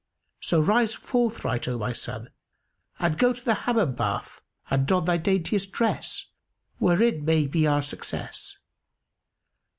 So rise forthright, O my son, and go to the Hammam bath and don thy daintiest dress, wherein may be our success.